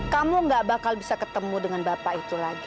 kamu gak bakal bisa ketemu dengan bapak itu lagi